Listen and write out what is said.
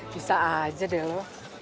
bisa aja deh lo